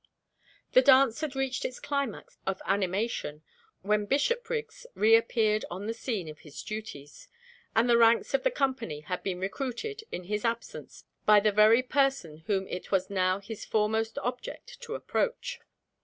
The dance had reached its climax of animation when Bishopriggs reappeared on the scene of his duties; and the ranks of the company had been recruited, in his absence, by the very person whom it was now his foremost object to approach.